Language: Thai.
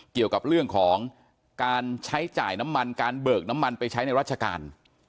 เกี่ยวกับเรื่องของการใช้จ่ายน้ำมันการเบิกน้ำมันไปใช้ในราชการ